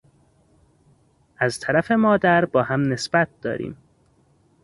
از طرف مادر باهم نسبت داریم.